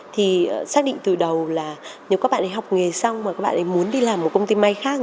thì xác định từ đầu là nếu các bạn ấy học nghề xong mà các bạn ấy muốn đi làm một công ty may khác